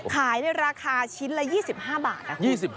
ขายราคาชิ้นละ๒๕บาทนะคุณ